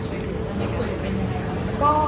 จุดลืมเป็นไหนครับ